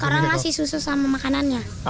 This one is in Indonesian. karena masih susah sama makanannya